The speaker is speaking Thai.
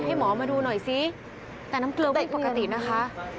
ให้หมอมาดูหน่อยซิแต่น้ำเกลือไม่ปกตินะคะ